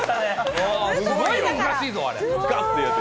すごい難しいぞ、あれ。